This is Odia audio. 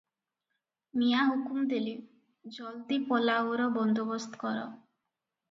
ମିଆଁ ହୁକୁମ ଦେଲେ, "ଯଲଦି ପଲାଉର ବନ୍ଦୋବସ୍ତ କର ।